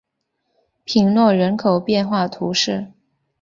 吕诺人口变化图示